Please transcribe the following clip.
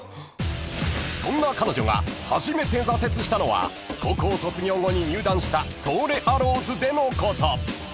［そんな彼女が初めて挫折したのは高校卒業後に入団した東レアローズでのこと］